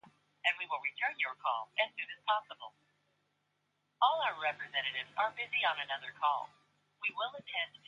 The Trust is managed by a council of trustees drawn from the membership.